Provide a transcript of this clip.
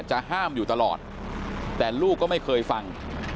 จะห้ามอยู่ตลอดแต่ลูกก็ไม่เคยฟัง